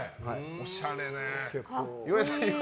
おしゃれね。